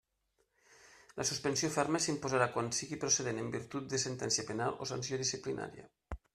La suspensió ferma s'imposarà quan siga procedent en virtut de sentència penal o sanció disciplinària.